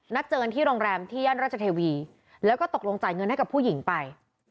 เจอกันที่โรงแรมที่ย่านราชเทวีแล้วก็ตกลงจ่ายเงินให้กับผู้หญิงไป